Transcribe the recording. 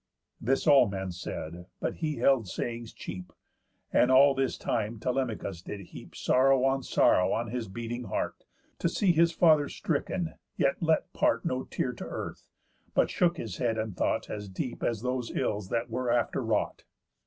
This all men said, but he held sayings cheap. And all this time Telemachus did heap Sorrow on sorrow on his beating heart, To see his father stricken; yet let part No tear to earth, but shook his head, and thought As deep as those ills that were after wrought.